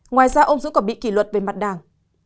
ngoài ra ông dũng còn bị kỷ luật về mặt đảng